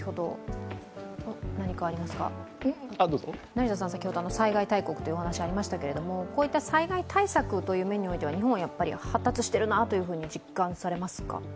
成田さん、先ほど災害大国というお話がありましたけれども、こういった災害対策というメニューは日本は発達しているという実感はありますか？